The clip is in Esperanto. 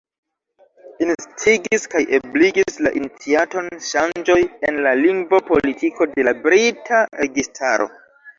Instigis kaj ebligis la iniciaton ŝanĝoj en la lingvo-politiko de la brita registaro.